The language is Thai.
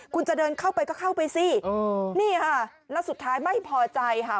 คุณจะเดินเข้าไปก็เข้าไปสินี่ค่ะแล้วสุดท้ายไม่พอใจค่ะ